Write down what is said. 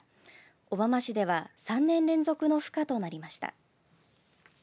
小浜市では３年連続のふ化となりました。